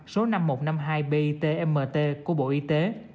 số năm nghìn một trăm năm mươi hai bitmt của bộ y tế